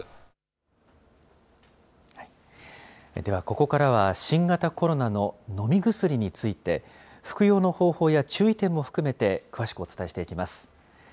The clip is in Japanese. では、ここからは新型コロナの飲み薬について、服用の方法や注意点も含めて、詳しくお伝えしていきます。